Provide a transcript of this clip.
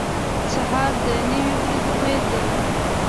• سهار د نوې ورځې پیل دی.